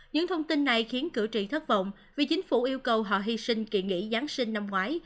những thông tin này khiến cử tri thất vọng vì chính phủ yêu cầu họ hy sinh kỳ nghỉ giáng sinh năm ngoái